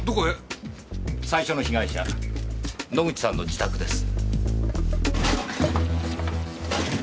最初の被害者野口さんの自宅です。